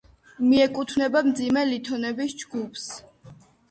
მიეკუთვნება მძიმე ლითონების ჯგუფს.